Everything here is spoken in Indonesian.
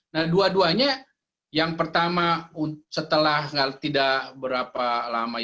nah dua duanya yang pertama setelah tidak berapa lama